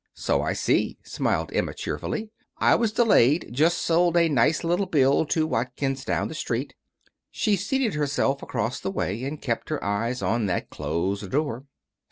"So I see," smiled Emma, cheerfully. "I was delayed. Just sold a nice little bill to Watkins down the Street." She seated herself across the way, and kept her eyes on that closed door.